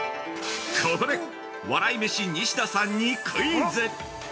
◆ここで、笑い飯・西田さんにクイズ！